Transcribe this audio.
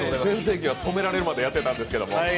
全盛期は止められるまでやってたんですけど。